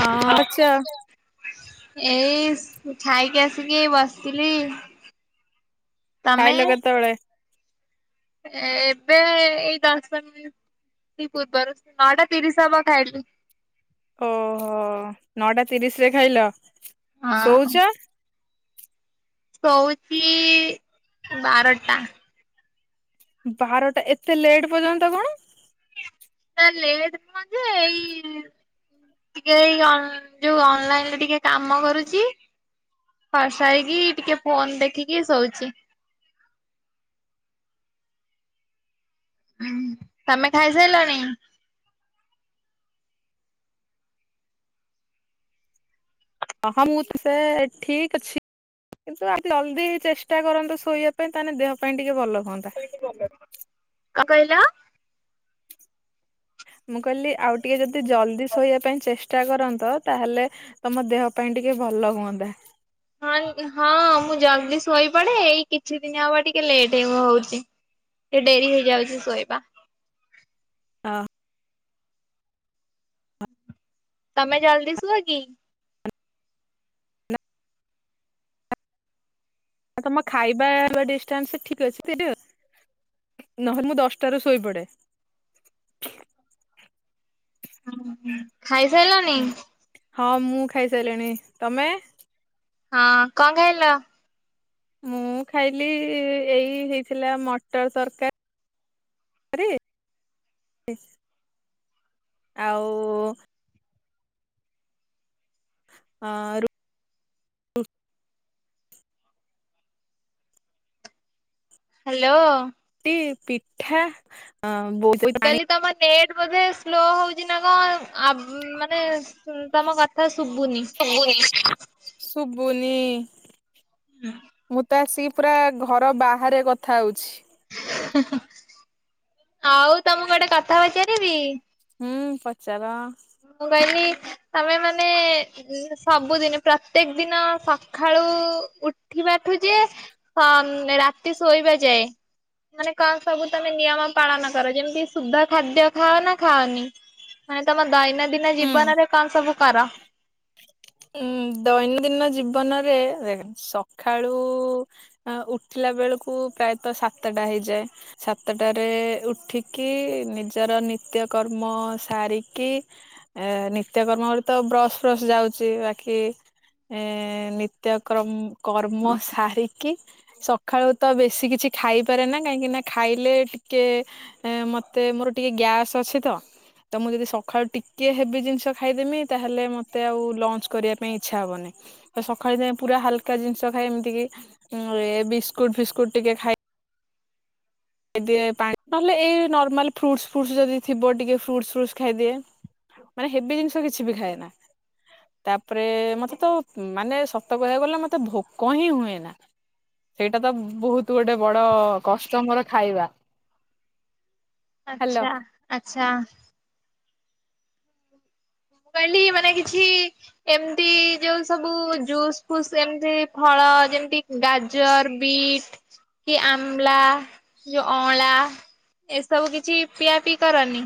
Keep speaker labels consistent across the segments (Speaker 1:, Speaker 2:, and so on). Speaker 1: ହଁ ଆଚ୍ଛା।
Speaker 2: ଏଇ ସ୍ ଖାଇକି ଆସିକି ଏଇ ବସିଥିଲି। ତମେ?
Speaker 1: ଖାଇଲ କେତବେଳେ?
Speaker 2: ଏବେ ଏଇ ଦଶ ପନ୍ଦ୍ ଦି ପୂର୍ବରୁ ନଅ ଟା ତିରିଶ ହବ ଖାଇଲି।
Speaker 1: ଓହୋ ନଅଟା ତିରିଶରେ ଖାଇଲ। ଶୋଉଚ?
Speaker 2: ଶୋଉଚି ବାର ଟା।
Speaker 1: ବାରଟା ଏତେ ଲେଟ୍ ପର୍ଯ୍ୟନ୍ତ କଣ?
Speaker 2: ଲେଟ୍ ନୁହେଁ ଯେ ଏଇ ଟିକେ ଏଇ ଅନ୍ ଯୋଉ ଅନଲାଇନ୍ ରେ ଟିକେ କାମ କରୁଚି। ପାସ ସାରିକି ଟିକେ ଫୋନ ଦେଖିକି ଶୋଉଚି। ହୁଁ ତମେ ଖାଇସାଇଲଣି?
Speaker 1: ଅହ ମୁଁ ତ ସେ ଠିକ ଅଛି। କିନ୍ତୁ ଆ ଜଲଦି ଚେଷ୍ଟା କରନ୍ତୁ ଶୋଇବା ପାଇଁ ତାହେଲେ ଦେହ ପାଇଁ ଟିକେ ଭଲ। ହନ୍ତା
Speaker 2: କ କହିଲ?
Speaker 1: ମୁଁ କହିଲି ଆଉ ଟିକେ ଯଦି ଜଲ୍ଦି ଶୋଇବା ପାଇଁ ଚେଷ୍ଟା କରନ୍ତ ତାହେଲେ ତମ ଦେହ ପାଇଁ ଟି କେ ଭଲ ହୁଅନ୍ତା।
Speaker 2: ହଁ ହଁ ମୁଁ ଜଲଦି ଶୋଇପଡେ ଏଇ କିଛି ଦିନ ହବ ଟିକେ ଲେଟ ହେଇ ହୋଉଛି। ଏ ଡେରି ହେଇଯାଉଛି ଶୋଇବା।
Speaker 1: ଅ
Speaker 2: ତମେ ଜଲ୍ଦି ଶୁଅ କିି?
Speaker 1: ତମ ଖାଇବା ରେଷ୍ଟୁରାଣ୍ଟ ସବୁ ଠିକ ଅଛି ତ ନହେଲେ ମୁଁ ଦଶଟାରୁ ଶୋଇପଡେ।
Speaker 2: ଖାଇ ସାଇଲଣିି?
Speaker 1: ଖାଇ ସାଇଲିଣି। ତମ
Speaker 2: ହଁ କଣ ଖାଇଲ?
Speaker 1: ମୁଁ ଖାଇଲି ଏଇ ହେଇଥିଲା ମଟର ତରକାର ଆରେ ଆଉ ହଁ ଆରୁ
Speaker 2: ହ୍ୟାଲୋ।
Speaker 1: ଟି ପିଠା ଆ
Speaker 2: କଲି ତମ ନେଟ ବୋଧେ ସ୍ଲୋ ହୋଉଛି ନା କଣ ଆ ମାନେ ହୁଁ ତମ କଥା ଶୁଭୁନି?
Speaker 1: ମି ମୁଁ ତ ଆସିକି ପୁରା ଘର ବାହାରେ କଥା ହୋଉଛି।
Speaker 2: ଆଉ ତମକୁ ଗୋଟେ କଥା ପଚାରିବି?
Speaker 1: ହୁଁ ପଚାର।
Speaker 2: ମୁଁ କହିଲି ତମେ ମାନେ ସବୁଦିନ ପ୍ରତ୍ୟେକ ଦିନ ସଖା ଳୁ ଉଠିବାଠୁ ଯେ ରାତି ଶୋଇବା ଯାଏ। ମାନେ କଣ ସବୁ ତମେ ନିୟମ ପାଳନ କର ଯେମିତି ସୁଦ୍ଧ ଖାଦ୍ୟ ଖାଅ ନା ଖାଅନି? ମାନେ ତମର ଦୈନ୍ୟ ଦିିନ
Speaker 1: ହୁଁ।
Speaker 2: ଜୀବନ ରେ କଣ ସବୁ କର?
Speaker 1: ଉଁ ଦୈନଦିନ ଜୀବନରେ ସକାଳୁ ଉଠିଲା ସେତେ ବେଳକୁ ପ୍ରାୟତ ସାତଟା ହେଇଯାଏ। ସାତଟ ଉଠିକି ନିଜର ନିତ୍ୟ କର୍ମ ସାରିକି ଏ ନିତ୍ୟକର୍ମରେ ତ ବ୍ରସ୍ ଫ୍ରସ୍ ଯାଉ ତି ରା଼ଖି ଏ ନିତ୍ୟ କରମ କର୍ମ ସାରିକି ସକାଳୁ ତ ବେଶୀ କିଛି ଖାଇପାରେ ନା କାହିଁକିନା ଖାଇଲେ ଟିକେ ମତେ ମୋର ଟିକେ ଗ୍ୟାସ୍ ଅଛି ତ ତ ମୁଁ ଯଦି ସକାଳୁ ଟିକେ ହେବି ଜିନିଷ ଖାଇଦେମି ତାହେଲେ ମତେ ଆଉ ଲଞ୍ଚ କରିବା ପାଇଁ ଇଚ୍ଛା ହବନି ସକାଳେ ଯାଇ ପୁରା ହାଲକା ଜିନିଷ ଖାଏ ଏମିତି କି ବିସ୍କୁଟ ଫିସ୍କୁଟ ଟିକେ ଖାଇ ଖାଇଦିଏ ପାଣି ନହେଲେ ଏଇ ନର୍ମାଲ ଫ୍ରୁଟ୍ସ ଫ୍ରୁଟ୍ସ ଯଦିଥିବ ଟିକେ ଫ୍ରୁଟ୍ସ ଫ୍ରୁଟ୍ସ୍ ଖାଇଦିଏ। ମାନେ ହେଵି ଜିନିଷ କିଛି ବି ଖାଏ ନା। ତାପରେ ମତେ ତ ମାନେ ସତ କହିବାକୁ ଗଲେ ମତେ ଭୋକ ହିଁ ହୁଏ ନା। ସେଇଟା ତ ବହୁତ ଗୋଟେ ବଡ କଷ୍ଟ ମୋର ଖାଇବା। ହାଲୋ
Speaker 2: ଆଚ୍ଛା ଆଚ୍ଛା। ମୁଁ କହିଲି ମାନେ କିଛି ଏମିତି ଯୋଉ ସବୁ ଜୁସ୍ ଫୁସ୍ ଏମିତି ଫଳ ତ ଯେମିତି ଗାଜର ବିଟ୍ କି ଆମ୍ଳା ଯଉ ଅଁଳା ଏ ସବୁ କିଛି ପିଆ ପିଇ କରନି?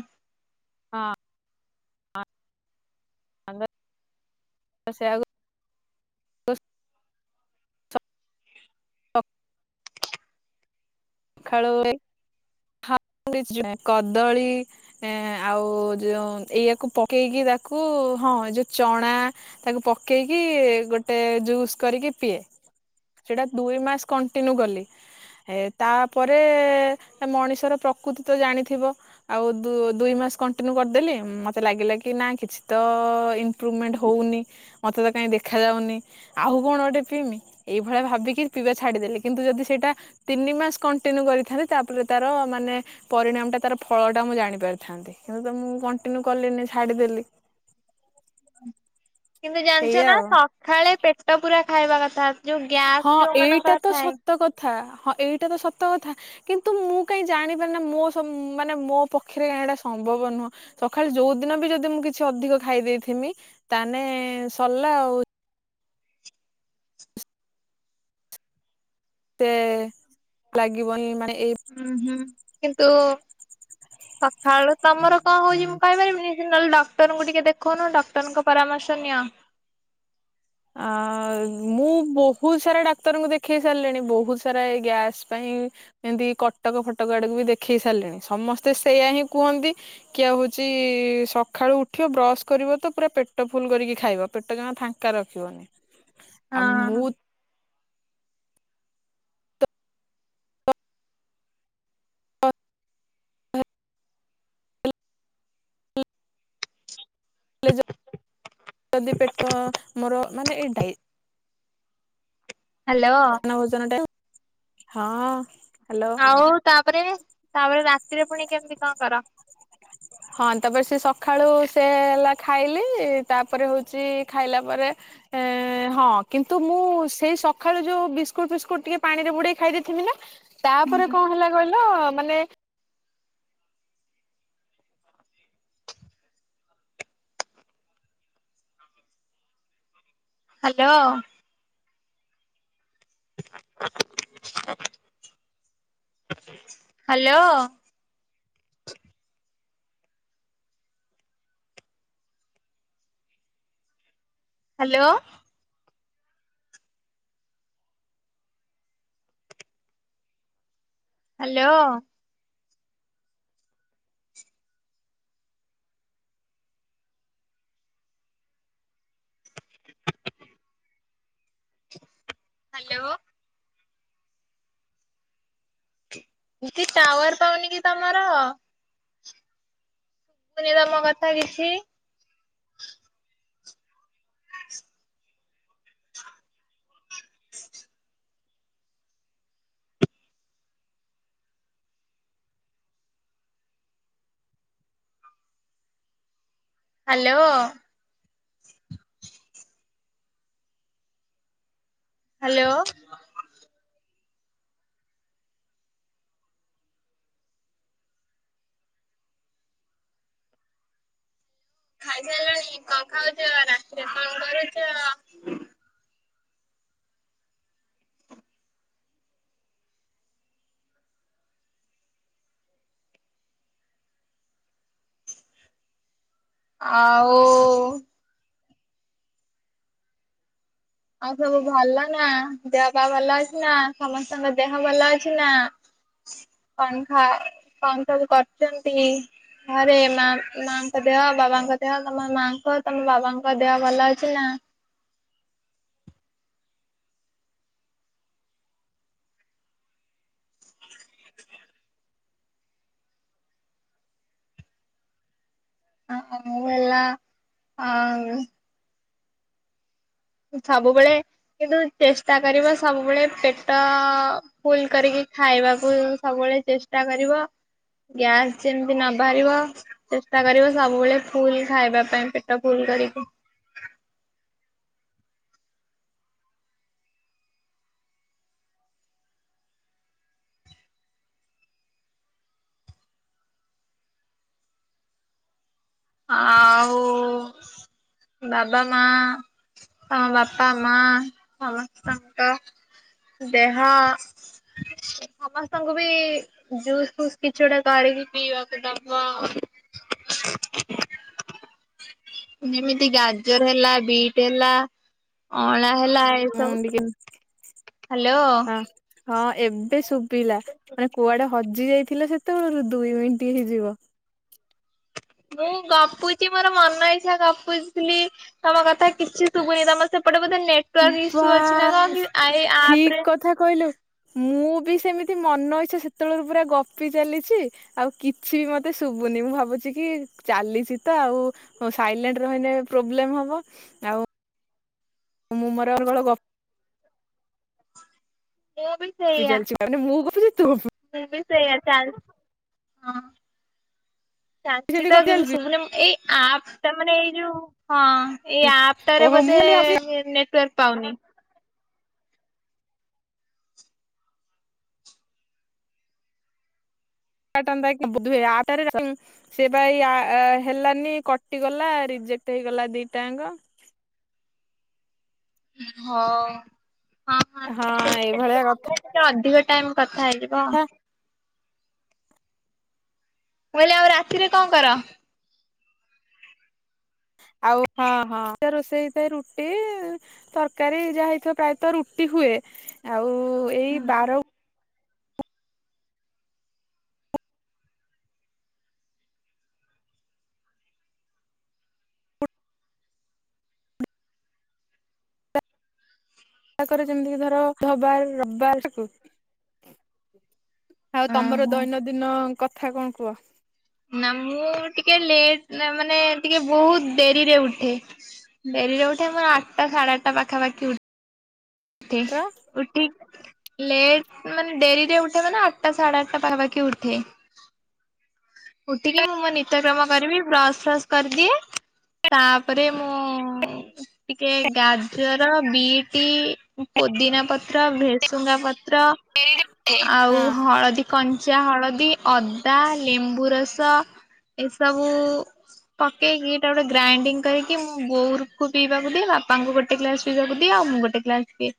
Speaker 1: ହଁ। [unintelligible] ତ ସେ ଆଗୁ ତ ହଁ [unintelligible] ଖଳ [unintelligible] ହଁ [unintelligible] କଦଳୀ ଆଉ ଯୋଉ ଏଇଆକୁ ପକେଇକି ତାକୁ, ହଁ ଯୋଉ ଚଣା ତାକୁ ପକେଇକି ଗୋଟେ ଜୁସ୍ କରିକି ପିଏ। ସେଟା ଦୁଇ ମାସ କଣ୍ଟିନ୍ୟୁ କଲି, ହେ ତାପରେ ମଣିଷର ପ୍ରକୃତି ତ ଜାଣିଥିବ ଆଉ ଦୁଇ ମାସ କଣ୍ଟିନ୍ୟୁ [unintelligible] କରିଦେଲି ମତେ ଲାଗିଲା କି ନା କିଛି ତ ଇମପୃଭମେଣ୍ଟ ହଉନି ମତେ ତ କାଇଁ ଦେଖାଯାଉନି। [unintelligible] ଆଉ କଣ ଗୋଟେ ପିଇମି ଏଇ ଭଳିଆ ଭାବିକି ପିଇବା ଛାଡିଦେଲି କିନ୍ତୁ ଯଦି ସେଇଟା ତିନି ମାସ କଣ୍ଟିନ୍ୟୁ କରିଥାନ୍ତି, ତାପରେ ତାର ମାନେ ପରିଣାମ ଟା ତାର ଫଳ ଟା ମୁଁ ଜାଣି ପାରିଥାନ୍ତି କିନ୍ତୁ ତ ମୁଁ କଣ୍ଟିନ୍ୟୁ କଲିିନି ଛାଡିଦେଲି।
Speaker 2: କିନ୍ତୁ ଜାଣିଛ
Speaker 1: ଏଇଆ
Speaker 2: ନା
Speaker 1: ଆଉ।
Speaker 2: ସଖାଳେ ପେଟ ପୁରା ଖାଇବା କଥା। ଯୋଉ ଗ୍ୟାସ୍
Speaker 1: ହଁ,
Speaker 2: ଯୋଉ
Speaker 1: ଏଇଟା
Speaker 2: ମାନଙ୍କର
Speaker 1: ତ
Speaker 2: ଥାଏ
Speaker 1: ସତ କଥା। ହଁ ଏଇଟା ତ ସତ କଥା କିନ୍ତୁ ମୁଁ କାଇଁ ଜାଣିପାରି ନା ମୋ ମାନେ ମୋ ପକ୍ଷରେ ଏଟା ସମ ବ ନୁହଁ, ସକାଳେ ଯୋଉ ଦିନ ବି ଯଦି ମୁଁ କିଛି ଅଧିକ ଖାଇ ଦେଇଥିବି, ତାନେଲେ ସରିଲା ହଉ [unintelligible] ସେ ଲାଗିବନି ମାନେ ଏଇ
Speaker 2: [unintelligible] ହୁଁ କିନ୍ତୁ, ସଖାଳୁ ତମର କଣ ହଉଛି ମୁଁ କହିପାରିବିନି? ନହେଲେ ଡକ୍ଟରଙ୍କୁ ଟିକେ ଦେଖଉନ, ଡକ୍ଟରଙ୍କ ପରାମର୍ଶ ନିଅ?
Speaker 1: ଆ ମୁଁ ବହୁତ ସାରା ଡାକ୍ତରଙ୍କୁ ଦେଖେଇ ସାରିଲିଣି, ବହୁତ ସାରା ଏଇ ଗ୍ୟାସ ପାଇଁ- [unintelligible] ଏମିତି କଟକ ଫଟକ ଆଡକୁ ବି ଦେଖେଇ ସାରିଲିଣି, ସମସ୍ତେ ସେଇୟା ହିଁ କୁହନ୍ତି, କିଆଉ ଚି ସକାଳୁ ଉଠିବ ବ୍ରସ୍ କରିବ ତ, ପୁରା ପେଟ ଫୁଲ କରିକି ଖାଇବ ପେଟ ଜମାଫାଙ୍କା ର ରଖିବନି ଆଉ
Speaker 2: ହଁ
Speaker 1: ମୁଁ
Speaker 2: [unintelligible]
Speaker 1: ଲେ [unintelligible] ଯଦି ପେଟ ମୋର ମାନେ ଏଇ ଡାଇ
Speaker 2: ହ୍ୟାଲୋ
Speaker 1: [unintelligible] ଭୋଜନ ଟାଇ [unintelligible] ହଁ ହ୍ୟାଲୋ
Speaker 2: ଆଉ ତାପରେ, ତାପରେ ରାତିରେ ପୁଣି କେମିତି କଣ କର?
Speaker 1: ହଁ ତାପରେ, ସେ ସଖାଳୁ ସେ ହେଲା ଖାଇଲି, ତାପରେ ହଉଛି ଖାଇଲା ପରେ ଏ ହଁ କିନ୍ତୁ, ମୁଁ ସେଇ ସକାଳୁ ଯୋଉ ବିସ୍କୁଟ ଫିସ୍କୁଟ ଟିକେ ପାଣି ରେ ବୁଡେଇ ଖାଇ ଦେଇଥିଵିନା ତାପରେ, କଣ ହେଲା କହିଲ, ମାନେ
Speaker 2: hello [unintelligible] hello hello hello hello ଉଦି [unintelligible] tower ପାଉନି କି ତମର? ଶୁଭୁନି ତମ କଥା କିଛି? [inaudible] ହାଲୋ ହାଲୋ ଖାଇସାରିଲଣି, କଣ ଖାଉଛ, ରାତିରେ କଣ କରୁଛ? ଆଉ ଆଉ ସବୁ ଭଲ ନା, ଦେହ ପା ଭଲ ଅଛି ନା, ସମସ୍ତଙ୍କ ଦେହ ଭଲ ଅଛି ନା କଣଖା କଣସବୁ କରୁଛନ୍ତି? ଘରେ ମା, ମାଙ୍କ ଦେହ, ବାବାଙ୍କ ଦେହ, ତମ ମାଙ୍କ, ତମ ବାବାଙ୍କ ଦେହ, ଭଲ ଅଛି ନା? [inaudible] ହା, ମୁଁ ଭଲ ଆଉ ସବୁବେଳେ କିନ୍ତୁ ଚେଷ୍ଟା କରିବା, ସବୁବେଳେ ପେଟଅ ଫୁଲ କରିକି ଖାଇବାକୁଉ ସବୁବେଳେ ଚେଷ୍ଟା କରିବ। ଗ୍ୟାସ ଯେମିତି ନ ବାହାରିବ, ଚେଷ୍ଟା କରିବ, ସବୁବେଳେ ଫୁଲ୍ ଖାଇବା ପାଇଁ, ପେଟ ଫୁଲ୍ ଡରିକି ଆଉ ବାବା ମା ଆମ ବାପା ମା ସମସ୍ତଙ୍କ ଦେହଅ ସମସ୍ତଙ୍କୁ ବି ଜୁସ୍ ଫୁସ୍ କିଛି ଗୋଟେ କରି କିରି ପିଇବାକୁ ଦବ। ଯେମିତି ଗାଜର ହେଲା ବିଟ୍ ହେଲା ଅଁଳା। ହେଲା ଏସବୁ।
Speaker 1: ଟିକେ
Speaker 2: ହାଲୋ।
Speaker 1: ହଁ ହଁ ଏବେ ଶୁବିଲା ମାନେ କୁଆଡେ ହଜି ଯାଇଥିଲ ସେତବେଳରୁ ଦୁଇ ମିନିଟ ହେଇଯିବ।
Speaker 2: [inaudible] ମୁଁ ଗପୁଚି ମୋର ମନ ଇଚ୍ଛା ଗପୁଥିଲି ତମ କଥା କିଛି ଶୁବୁନି ତମର ସେପଟୁ ବୋଧେ ନେଟୱର୍କ ଇସୁ ଅଛି ନା
Speaker 1: ବାସ୍
Speaker 2: କଣ କି ଆଇ
Speaker 1: ଠିକ
Speaker 2: ଆପରେ?
Speaker 1: କଥା କହିଲୁ ମୁଁ ବି ସେମିତି ମନ ଇଚ୍ଛା ସେତେବେଳରୁ ପୁରା ଗପି ଚାଲିଛି ଆଉ କିଛି ବି ମତେ ଶୁବୁନି। ମୁଁ ଭାବୁଚି କି ଚାଲିଚି ତ ଆଉ ସାଇଲେଣ୍ଟ ରହିଲେ ପ୍ରୋବ୍ଲେମ୍ ହବ ଆଉ ମୁଁ ମୋର ଅନର୍ଗଳ ଗ
Speaker 2: ମୁଁ ବି
Speaker 1: ଗପି
Speaker 2: ସେଇଆ
Speaker 1: ଚାଲିଛି ମାନେ ଗପୁଛି ତୁ ଗପୁ
Speaker 2: ମୁଁ ବି ସେଇଆ ଚାଲ୍ ହଁ ଚାଲିଚି
Speaker 1: ସେମିତି
Speaker 2: ତ
Speaker 1: ଗପି
Speaker 2: କିଛି
Speaker 1: ଚାଲିଛି
Speaker 2: ଶୁଭୁନି ଏଇ ଆପଟା ମାନେ ଏଇ ଯୋଉ ହଁ ଏଇ ଆପଟାରେ
Speaker 1: ଓହୋ
Speaker 2: ବୋଧେ
Speaker 1: ମୁଁ ଖାଲି
Speaker 2: ନେଟୱାର୍କ ପାଉନି।
Speaker 1: କାଟନ୍ତାକି ବୋଧହୁଏ ଆପଟା ରେ [unintelligible] ସେଏବା ଏଇ ଆ-ଆ-ହେଲାନି କଟିଗଲା ରି ଯେତେ ହେଇଗଲା ଦିଟା ଆଙ୍କ।
Speaker 2: [inaudible] ହଁ ଆ।
Speaker 1: ହଁ ଏଇଭଳିଆ କଥା।
Speaker 2: ଅଧିକ ଟାଇମ କଥା ହେଇଯିବ। ମୁଁ କଇଲି ଆଉ ରାତିରେ କଣ କର?
Speaker 1: ଆଉ ହଁ ହଁ ରୋଷେଇ ହେଇଥାଏ ରୁଟି ତରକାରୀ ଯାହା ହେଇଥିବ ପ୍ରାୟତଃ ରୁଟି। ହୁଏ ଆଉ ଏଇ ବାର କରେ ଯେମିତିକି ଧର ଭବାର ରବିବାରକୁ ଆଉ ତମର ଦୈନଦିନ କଥା କଣ କୁଅ?
Speaker 2: ନା ମୁଁ ଟିକେ ଲେଟ ମାନେ ଟିକେ ବହୁତ ଡେରିରେ ଉଠେ। ଡେରିରେ ଉଠେ ମୁଁ ଆଟା ସାଢ଼େ ଆଟା ପାଖାପାଖି ଉ ଠେ
Speaker 1: ର
Speaker 2: ଉଠି ଲେଟ ମାନେ ଡେରିରେ ଉଠେ ମାନେ ଆଟା ସାଡେ ଆଟା ପାଖାପାକି ଉଠେ। ଉଠିକି ମୁଁ ମୋ ନିତ୍ୟକ୍ରମ କରିବି ବ୍ରସ୍ ଫସ୍ କରିଦିଏ। ତାପରେ ମୁଁ ଟିକେ ଗାଜର ବିଟି ପୋଦିନା ପତ୍ର, ଭେସୁଙ୍ଗା ପତ୍ର
Speaker 1: ହଁ
Speaker 2: ଆଉ ହଳଦୀ କଞ୍ଚା ହଳଦୀ, ଅଦା ଲେମ୍ବୁ ରସ ଏସବୁ ପକେଇକି ଏଟା ଗୋଟେ ଗ୍ରାଇଡିଙ୍ଗ କରିକି ମୁଁ ବୋଉରୁକୁ ପିଇବାକୁ ଦିଏ ବାପାଙ୍କୁ ଗୋଟେ ଗ୍ଲାସ ପିଇବାକୁ ଦିଏ। ଆଉ ମୁଁ ଗୋଟେ ଗ୍ଲାସ୍ ପିଏ।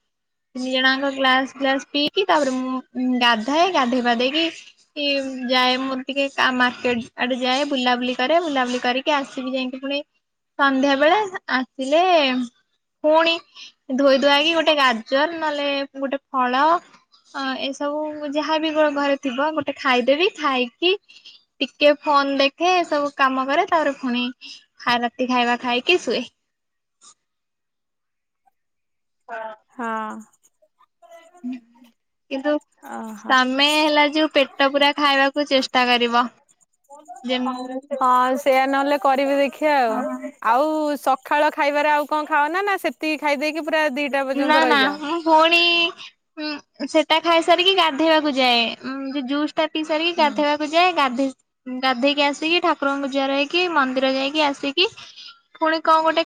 Speaker 2: ତିନି ଜଣଆଙ୍କ ଗ୍ଲାସ ଗ୍ଲାସ ପିଇକି ତାପରେ ମୁଁ ଗାଧାଏ ଗାଧେଇ ପଧେଇକି ଯାଏ ମୋର ଟିକେ କା ମାର୍କେଟ ଆଡେ ଯାଏ ବୁଲାବୁଲି କରେ ବୁଲାବୁଲି କରିକି ଆସିବି ଯାଇକି ପୁଣି ସନ୍ଧ୍ୟା ବେଳେ ଆସିଲେ ପୁଣି ଧୋଇ ଧୁଆଇକି ଗୋଟେ ଗାଜର ନହେଲେ ଗୋଟେ ଫଳ ଅ ଏସବୁ ଯାହାବି ଗୋ ଘରେ ଥିବ ଗୋଟେ ଖାଇଦେବି ଖାଇକି ଟିକେ ଫୋନ ଦେଖେ ସବୁ କାମ କରେ ତାପରେ ଫୁଣି ଖା ରାତି ଖାଇବା ଖାଇକି ଶୁଏ।
Speaker 1: ହଁ।
Speaker 2: କିନ୍ତୁ
Speaker 1: ଓହୋ
Speaker 2: ତମେ ହେଲା ଯୋଉ ପେଟ ପୁରା ଖାଇବାକୁ କୁ ଚେଷ୍ଟା କରିବ। ଯେମ
Speaker 1: ହଁ ସେୟା ନହେଲେ କରିବେ ଦେଖିବା ଆଉ ସ ଖାଳ ଖାଇବାରେ ଆଉ କଣ ଖାଅ ନା ନା ସେତିକି ଖାଇ ଦେଇେ ଦେଇକି
Speaker 2: ନା ନା ମୁଁ ଭଉଣୀ ହଁ ସେଟା ଖାଇସାରିକି ଗାଧେଇବାକୁ ଯାଏ ଜୁସ୍ ଟା ପିଇ ସାରିକି
Speaker 1: ହୁଁ
Speaker 2: ଗାଧେଇବାକୁ ଯାଏ ଗାଧେଇ ଗାଧେଇକି ଆସିକି ଠାକୁରଙ୍କ ପୂଜା ରହିକି ମନ୍ଦିର ଯାଇକି ଆସିକି ପୁଣି କଣ ଗୋଟେ